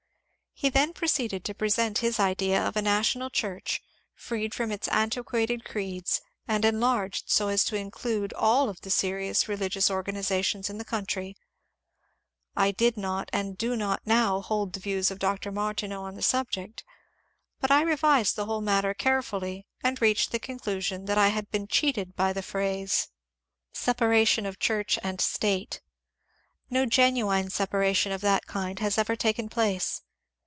He then proceeded to present his idea of a national Church freed from its antiquated creeds and enlarged so as to include all of the serious religious or ganizations in the country. I did not and do not now hold the views of Dr. Martineau on the subject, but I revised the whole matter carefuUy and reached the conclusion that I had been cheated by the phrase, ^^ separation of Church and 320 MONCURE DANIEL CONWAY State." No genuine separation of that kind has ever taken place.